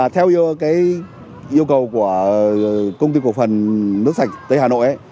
theo yêu cầu của công ty cổ phần nước sạch tây hà nội